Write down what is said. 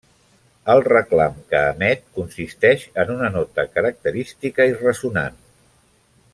El reclam que emet consisteix en una nota característica i ressonant.